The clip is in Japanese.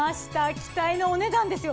期待のお値段ですよ。